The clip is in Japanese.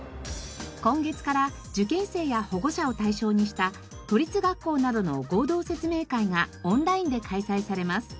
今月から受験生や保護者を対象にした都立学校などの合同説明会がオンラインで開催されます。